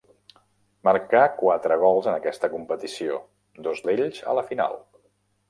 Marcà quatre gols en aquesta competició, dos d'ells a la final.